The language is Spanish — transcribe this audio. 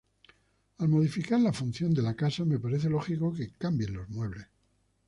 Al modificar la función de la casa, me parece lógico que cambien los muebles".